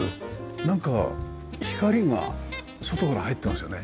なんか光が外から入ってますよね。